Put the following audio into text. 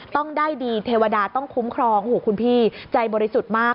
ต้องได้ดีเทวดาต้องคุ้มครองโอ้โหคุณพี่ใจบริสุทธิ์มาก